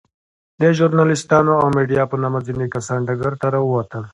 د ژورناليستانو او ميډيا په نامه ځينې کسان ډګر ته راووتل.